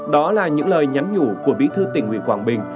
đó là những lời nhắn nhủ của bí thư tỉnh ủy quảng bình